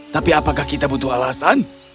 tapi apakah kita butuh alasan